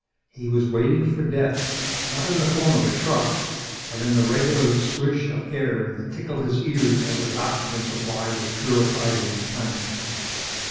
He was waiting for death not in the form of a truck, but in the regular swish of air that tickled his ears as his oxygen supply was purified and replenished.